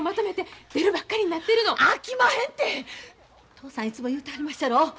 嬢さんいつも言うてはりまっしゃろ？